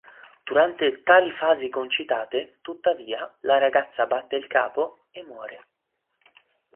Durante tali fasi concitate, tuttavia, la ragazza batte il capo e muore.